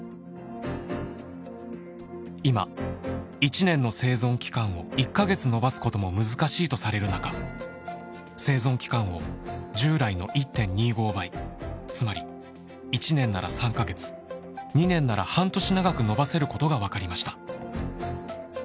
今１年の生存期間を１カ月延ばすことも難しいとされるなか生存期間を従来の１．２５倍つまり１年なら３カ月２年なら半年長く延ばせることがわかりました。